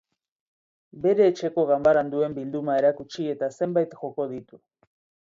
Bere etxeko ganbaran duen bilduma erakutsi eta zenbait joko ditu.